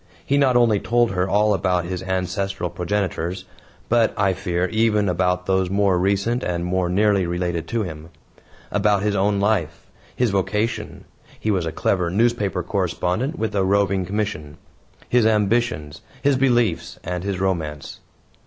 He not only told her all about his ancestral progenitors, but, I fear, even about those more recent and more nearly related to him; about his own life, his vocation he was a clever newspaper correspondent with a roving commission his ambitions, his beliefs and his romance.